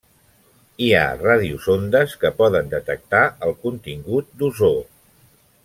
Hi ha radiosondes que poden detectar el contingut d'ozó.